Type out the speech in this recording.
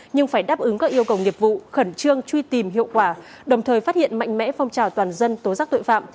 nhưng phải đáp ứng các yêu cầu nghiệp vụ khẩn trương truy tìm hiệu quả đồng thời phát hiện mạnh mẽ phong trào toàn dân tố giác tội phạm